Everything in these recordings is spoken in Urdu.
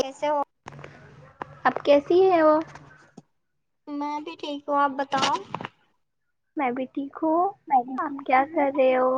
جسے ہو اب کیسی ہے وہ میں بھی ٹھیک ہوں آپ بتاؤ میں بھی ٹھیک ہوں میں بھی آپ ٹھیک کیا ہوں کر رہے ہو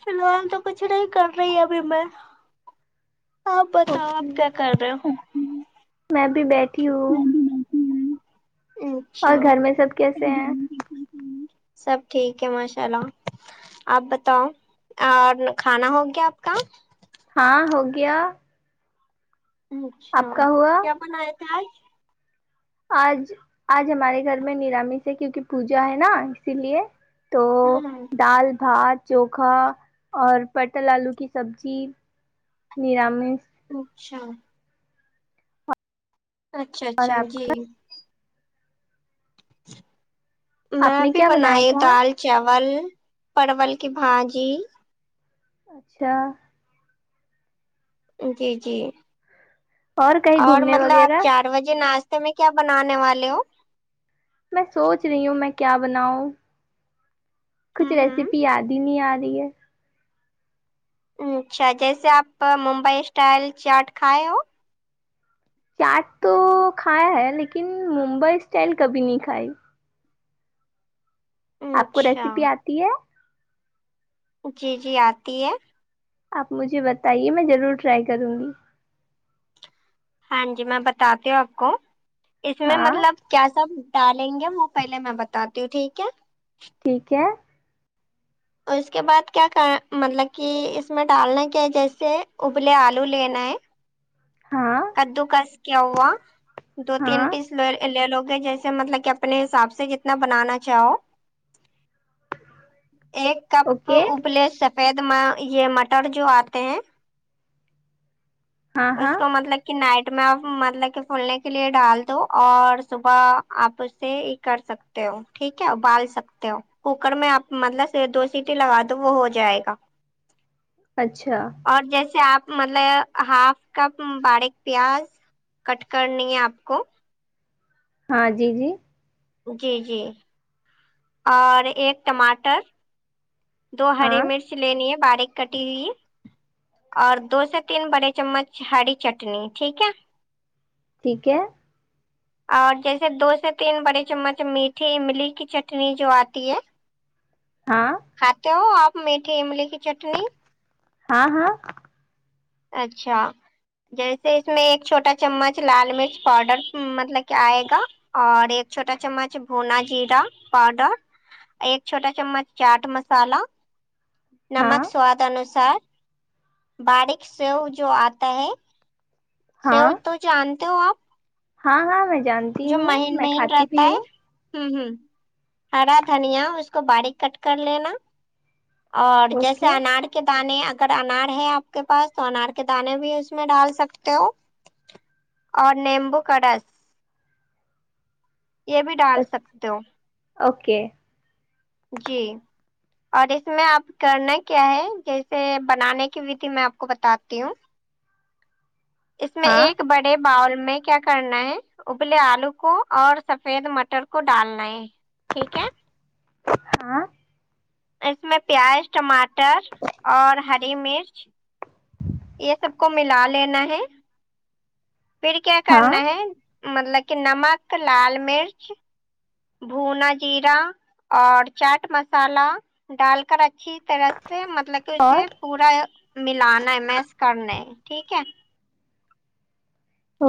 فی الحال تو کچھ نہیں کر رہی ابھی میں آپ بتاؤ اوکے آپ کیا کر رہے ہو میں بھی بیٹھی ہوں اور اچھا گھر میں سب کیسے ہیں سب ٹھیک ہے ماشاء اللہ آپ بتاؤ اور کھانا ہو گیا آپ کا ہاں ہو گیا اچھا آپ کا ہوا کیا بنائے تھے اج آج آج ہمارے گھر میں نرامی سے ہے کیونکہ پوجا ہے نا اسی لیے تو ہوں دال بھات چوکھا اور پٹل آلو کی سبزی نرامس اچھا اچھا اور اچھا جی آپ آپ میں نے بھی کیا بنایا بنائی تھا دال چاول پرول کی بھاجی اچھا جی جی کہیں اور گھومنے مطلب آپ وغیرہ چار بجے ناشتے میں کیا بنانے والے ہو میں سوچ رہی ہوں میں کیا بناؤں کچھ ہوں ریسیپی یاد ہی نہیں آ رہی ہے اچھا جیسے آپ ممبئی اسٹائل چاٹ کھائے ہو چاٹ تو کھایا ہے لیکن ممبئی اسٹائل کبھی نہیں کھائی آپ کو اچھا ریسیپی آتی ہے جی جی آتی ہے آپ مجھے بتائیے میں ضرور ٹرائی کروں گی ہاں جی میں بتاتی ہوں آپ کو اس میں ہاں مطلب کیا سب ڈالیں گے وہ پہلے میں بتاتی ہوں ٹھیک ہے ٹھیک ہے اور اس کے بعد کیا کا مطلب کی اس میں ڈالنا کیا جیسے ابلے آلو لینا ہے ہاں کددو کس کیا ہوا دو تین ہاں پیس لے لوگے جیسے مطلب کہ اپنے حساب سے جتنا بنانا چاہو ایک کپ اوکے ابلے سفید مہ یے مٹر جو آتے ہیں ہاں ہاں اس کو مطلب کی نائٹ میں آپ مطلب کی فولنے کے لیے ڈال دو اور صبح آپ اس سے کر سکتے ہو ٹھیک ہے ابال سکتے ہو کوکر میں آپ مطلب دو سیٹی لگا دو وہ ہو جائے گا اچھا اور جیسے آپ مطلب ہاف کپ باریک پیاز کٹ کرنی ہے آپ کو ہاں جی جی جی جی اور ایک ٹماٹر دو ہری ہاں مرچ لینی ہے باریک کٹی ہوئی اور دو سے تین بڑے چمچ ہری چٹنی ٹھیک ہے ٹھیک ہے اور جیسے دو سے تین بڑے چممچ میٹھی املی کی چٹنی جو آتی ہے ہاں کھاتے ہو آپ میٹھے املی کی چٹنی ہاں ہاں اچھا جیسے اس میں ایک چھوٹا چمچ لال مرچ پاؤڈر مطلب کہ آئے گا اور ایک چھوٹا چمچ بھنا جیرا پاؤڈر ایک چھوٹا چمچ چاٹ مسالا ہاں نمک سواد انوسار باریک سو جو آتا ہے سو ہاں تو جانتے ہو آپ ہاں ہاں میں جانتی جو ہوں مہین میں مین کھاتی رہتا بھی ہے ہوں ہمم ہمم ہرا دھنیا اس کو باریک کٹ کر لینا اور جیسے اوکے انار کے دانے اگر انار ہے آپ کے پاس تو انار کے دانے بھی اس میں ڈال سکتے ہو اور نیمبو کا رس یے بھی ڈال سکتے ہو اوکے جی اور اس میں آپ کرنا کیا ہے جیسے بنانے کی وتتہی میں آپ کو بتاتی ہوں اس میں ہاں ایک بڑے ایک باؤل میں کیا کرنا ہے ابلے آلو کو اور سفید مٹر کو ڈالنا ہے ٹھیک ہے ہاں اس میں پیاز ٹماٹر اور ہری مرچ یہ سب کو ملا لینا ہے پھر کیا ہاں کرنا ہے مطلب کہ نمک لال مرچ بھنا ذیرا اور چاٹ مسالہ ڈال کر اچھی طرح سے مطلب کہ اور اسے پورا ملانا ہے میش کرنا ہے ٹھیک ہے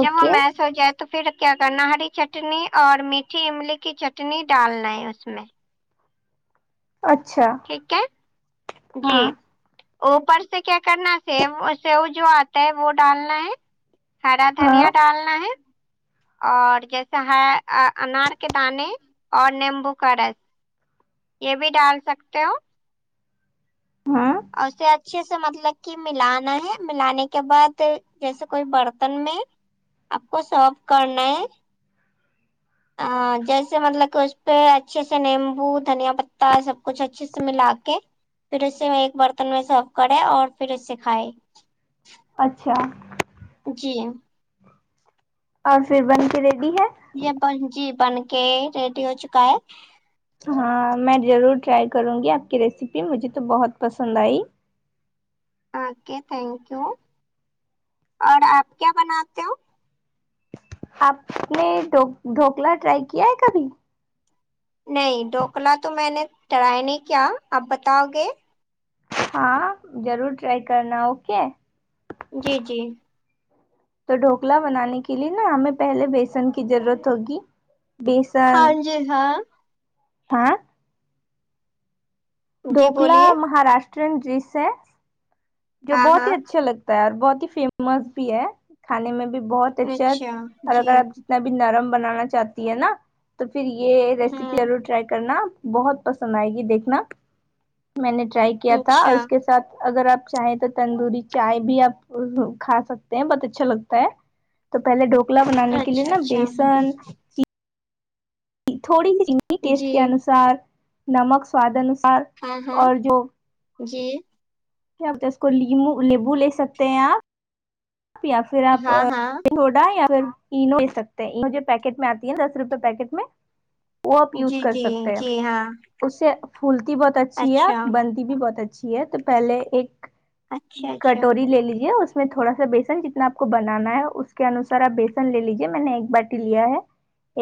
جب وہ میش ہوجائے تو پھر کیا کرنا ہری چٹنی اور میٹھی املی کی چٹنی ڈالنا ہے اس میں اچھا ٹھیک ہے جی ہاں اوپر سے کیا کرنا سیو سیو جو آتا ہے وہ ڈالنا ہے ہرا ہاں دھنیا ڈالنا ہے اور جیسا ہے انار کے دانے اور نیمبو کا رس یہ بھی ڈال سکتے ہو ہاں اور اسے اچھے سے مطلب کی ملانا ہے ملانے کے بعد جیسے کوئی برتن میں آپ کو سرو کرنا ہے آا جیسے مطلب اس پہ اچھے سے نیمبو دھنیا پتا سب کچھ اچھے سے ملا کے پھر اس سے ایک برتن میں سرو کرے اور پھر اس سے کھائے اچھا جی اور پھر بن کے ریڈی ہے یہ بن جی بن کے ریڈی ہو چکا ہے ہاں میں ضرور ٹرائی کروںگی آپ کی ریسیپی مجھے تو بہت پسند آئی اوکے تھینک یو اور آپ کیا بناتے ہو آپ نے ڈھوکلا ٹرائی کیا ہے کبھی نہیں ڈھوکلا تو میں نے ٹرائی نہیں کیا آپ بتاؤ گے ہاں ضرور ٹرائی کرنا اوکے جی جی تو ڈھوکلا بنانے کے لیے نا ہمیں پہلے بیسن کی ضرورت ہوگی بیسن ہاں جی ہاں ہاں جی ڈھوکلا بولیے مہاراشٹرین ڈیش ہے جو ہاں بہت ہی ہاں اچھے لگتا ہے اور بہت ہی فیمس بھی ہے کھانے میں بھی بہت اچھا اور جی اگر آپ جتنا بھی نرم بنانا چاہتی ہے نا تو پھر یہ ریسیپی ہاں ضرور ٹرائی کرنا آپ بہت پسند آئے گی دیکھنا میں نے ٹرائی کیا تھا اور اچھا اس کے ساتھ اگر آپ چاہے تو تندوری چائے بھی آپ کھا سکتے ہیں بہت اچھا لگتا ہے تو پہلے ڈھوکلا بنانے کے لیے اچھا نا اچھا بیسن تھوڑی سی چنی ٹیسٹ جی کے انوسار نمک سواد انوسار ہاں ہاں اور جو جی اس کو لیموں لیموں لے سکتے ہیں آپ آپ یا پھر آپ ہاں ہاں سوڈا یا پھر انو لے سکتے اںو جو پیکٹ میں آتی ہے دس روپے پیکٹ میں وہ آپ یوز جی کر جی سکتے ہیں جی ہاں اس سے پھولتی بہت اچھی ہے اور اچھا بنتی بھی بہت اچھی ہے تو پہلے ایک اچھا اچھا کھٹوری لے لیجے اس میں تھوڑا سا بیسن جتنا آپ کو بنانا ہے اس کے انوسار آپ بیسن لے لیجیے میں نے ایک باٹی لیا ہے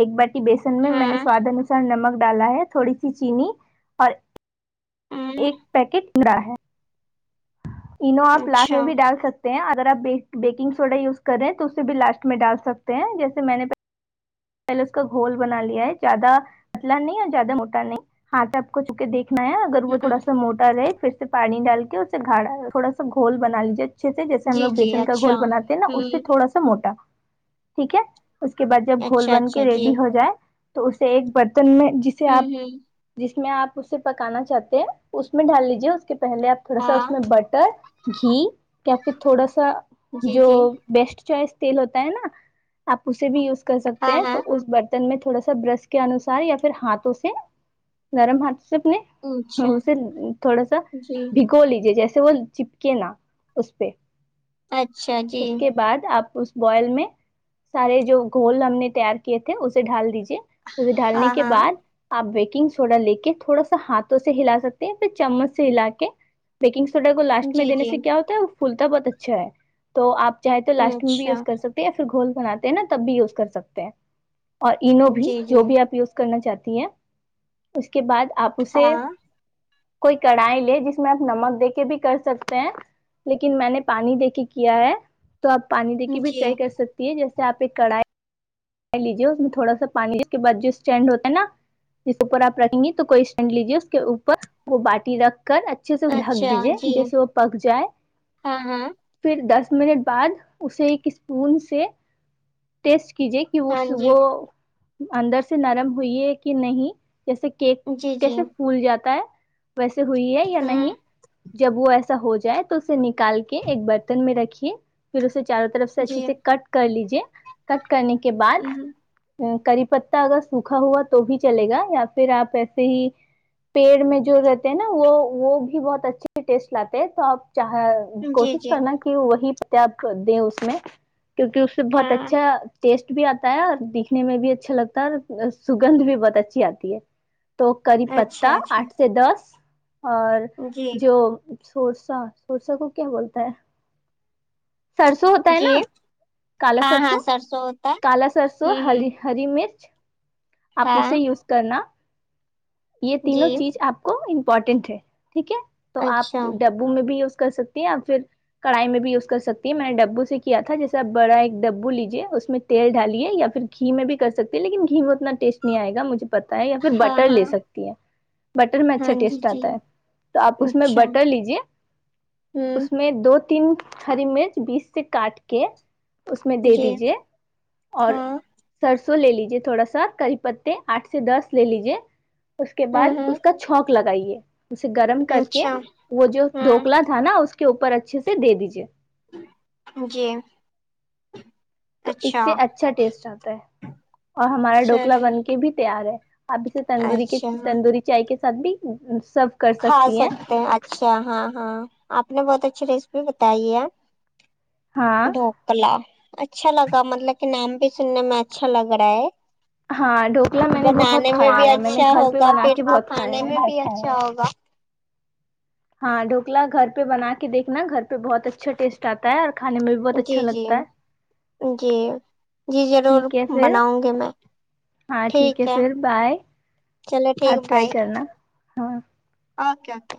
ایک باٹی بیسن مے میں نے ہاں سواد انسار نمک ڈالا ہے تھوڑی سی چینی اور ہوں ایک پیکٹ [unintelligible] را ہے ینو آپ لسٹ میں اچھا بھی ڈال سکتے ہیں اگر آپ بیک بیکنگ سوڈا یوز کریں تو اسے بھی لاسٹ میں ڈال سکتے ہیں جیسے میں نے پہلے اس کا گھول بنا لیا ہے زیادہ پتلا نہیں اور زیادہ موٹا نہیں آٹا اپ کو چھو کے دیکھنا ہے اگر وہ ہوں تھوڑا سا موٹا رہے پھر سے پانی ڈال کے اسے گھڑا تھوڑا گھول بنا لیجیے اچھے سے جیسے ہم جی لوگ جی بیسن کا اچھا گھول بناتے ہیں نا اس سے ہوں تھوڑا سا موٹا ٹھیک ہے اس کے بعد جب گھول اچھا بن کے اچھا ریڈی جی ہو جائے تو اسے ایک برتن میں جسے ہوں آپ ہوں جس میں آپ اسے پکانا چاہتے ہیں اس میں ڈال لیجیے اس کے پہلے آپ تھوڑا سا ہاں اس میں بٹر گھی یا پھر تھوڑا سا جی جو جی بیسٹ چوائس تیل ہوتا ہے نا آپ اسے بھی یوز کر سکتے ہاں ہیں ہاں تو اس بر تن میں تھوڑا سا برش کے انصار یا پھر ہاتھوں سے نرم ہاتھوں سے اپنے اچھا اسے تھوڑا سا جی بھگو لیجے جیسے وہ چپکے نا اس پے اچھا جی اس کے بعد آپ اس بوائل میں سارے جو گھول ہم نے تیار کیے تھے اسے ڈھال دیجے اسے ڈھالنے ہاں کے بعد ہاں آپ بیکنگ سوڈا لے کے تھوڑا سا ہاتھوں سے ہلا سکتے ہیں پھر چمچ سے ہلا کے بیکنگ سوڈا کو لاسٹ میں جی دینے جی سے کیا ہوتا ہے وہ پھولتا بہت اچھا ہے تو آپ چاہے تو لاسٹ میں بھی اچھا یوز کر سکتے ہیں یا پھر گھول بناتے ہیں نا تب بھی یوز کر سکتے ہیں اور اینو بھی جی جی جو بھی آپ یوز کرنا چاہتی ہیں اس کے بعد آپ اسے ہاں کوئی کڑھائی لے جس میں آپ نمک دے کے بھی کر سکتے ہیں لیکن میں نے پانی دے کے کیا ہے تو آپ پانی دے کے بھی جی ٹرائی کر سکتی ہے جیسے آپ ایک کڑھائی لیجے اس میں تھوڑا سا پانی جس کے بعد جو اسٹینڈ ہوتا ہے نا جس اوپر رکھیں گے تو کوئی اسٹنڈ لیجیے اس کے اوپر باٹی رکھ کر اچھے سے ڈھک اچھا دیجیے جی جیسے وہ پک جائے ہاں ہاں پھر دس منٹ بعد اسے ایک اسپون سے ٹیسٹ کیجیے کی ہاں اس جی وہ اندر سے نرم ہوئی ہے کی نہیں جیسے کیک جی جی کیسے پھول جاتا ہے ویسے ہوئی ہے یا ہاں نہیں جب وہ ایس سا ہو جائے تو اسے نکال کے ایک برتن میں رکھیے پھر اسے چاروں طرف سے جی اچھے سے کٹ کر لیجیے کٹ کرنے کے بعد ہ کری پتتہ اگر سوکھا ہوا تو بھی چلے گا یا پھر آپ ایسے ہی پیڑ میں جو رہتے ہیں نا وہ وہ بھی بہت اچھے ٹیسٹ لاتے ہیں تو آپ چاہے جی کوشش جی کرنا کی وہی تپ دیں اس میں کیونکی اس سے بہت ہاں اچھا ٹیسٹ بھی آتا ہے اور دکھنے میں بھی اچھا لگتا ہے اور سوگند بھی بہت اچھی آتی ہے تو کری پتتہ اچھا آٹھ اچھا سے دس اور جی جو سورسا سورسا کو کیا بولتا ہے سرسو ہوتا ہے نا کلا سرسو سوت کالا سرسوں ہری ہری مرچ آپ ہاں اسے یوز کرنا یے جی تینوں چیز آپ کو امپورٹنٹ ہے ٹھیک ہے تو آپ اچھا ڈب بو میں بھی یوز کر سکتی ہیں آپ پھر کڑائی میں بھی یوز کر سکتی ہے میں نے ڈبو سے کیا تھا جیسا بڑا ایک ڈبو لیجیے اس میں تیل ڈالے یا پھر گھی میں بھی کر سکتی ہیں لیکن گھی میں اتنا ٹیسٹ نہیں آئے گا مجھے پتہ ہے یا پھر ہاں بٹر لے ہاں سکتی ہے بٹر میں اچھا ہاں جی ٹیسٹ جی آتا ہے تو آپ اس میں اچھا بٹر لیجے ہوں اس میں دو تین ہری مرچ بیچ سے کاٹ کے اس میں دے جی دیجے اور ہاں سرسو لے لیجے تھوڑا سا کری پتے آٹھ سے دس لے لیجیے اس کے ہاں بعد ہاں اس کا چونک لگائیے اسے گرم کر کے اچھا وہ جو ہاں ڈوکلا تھا نا اس کے اوپر اچھے سے دے دیجیے جی تو اس سے اچھا ٹیسٹ آتا ہے اور ہمارا ڈھوکلا چلیے بن کے بھی تیار ہے آپ اسے تندوری کے اچھا ہاں تندوری چائے کے ساتھ بھی سب کھا سکتے ہیں اچھ اچھا ہاں ہاں آپ نے بہت اچھی ریسیپی بتائی ہے ہاں کلا اچھا لگا مطلب کہ نام بھی سننے میں اچھا لگ رہا ہے ہاں ڈھوکلا میں نے بہت بنانے میں کھایا بھی ہے نے اچھا گھر پہ ہوگا بنا پھر کے تو بہت کھایا کھانے ہے میں بھی اچھا ہوگا ہاں ڈھوکلا گھر پہ بنا کے دیکھنا گھر پہ بہت اچھا ٹیسٹ آتا ہے اورکھانے میں بھی بہت اچھا جی جی لگتا ہے جی جی ضرور ٹھیک ہے پھر بناؤگی میں ہاں ٹھیک ہے پھر بائے چلو ٹھیک آپ ٹرائی بائے کرنا ہاں اوکے اوکے